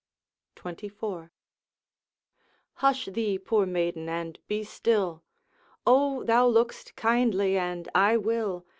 XXIV 'Hush thee, poor maiden, and be still!' 'O! thou look'st kindly, and I will.